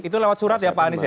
itu lewat surat ya pak anies ya